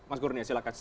mas kurnia silahkan